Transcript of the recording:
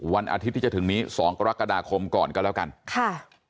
วันอาทิตย์ที่จะถึงนี้สองกรกฎาคมก่อนก็แล้วกันค่ะ